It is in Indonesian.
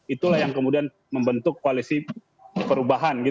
itulah yang kemudian membentuk koalisi perubahan